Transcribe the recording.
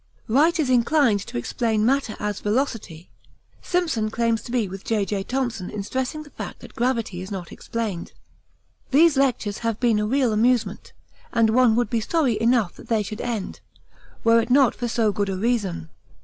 Wright is inclined to explain matter as velocity; Simpson claims to be with J.J. Thomson in stressing the fact that gravity is not explained. These lectures have been a real amusement and one would be sorry enough that they should end, were it not for so good a reason.